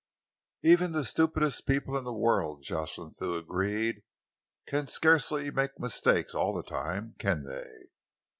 "Even the stupidest people in the world," Jocelyn Thew agreed, "can scarcely make mistakes all the time, can they?